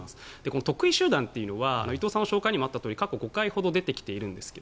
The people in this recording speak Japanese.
この特異集団というのは伊藤さんの紹介にもあったように過去５回ほど出てきているんですが